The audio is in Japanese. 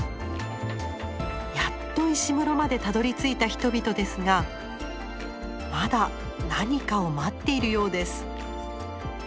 やっと石室までたどりついた人々ですがまだ何かを待っているようです。